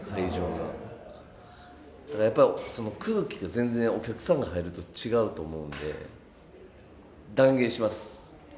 だからやっぱり空気が全然お客さんが入ると違うと思うんで。